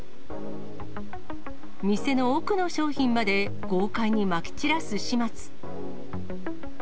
店の奥の商品まで、豪快にまき散らす始末。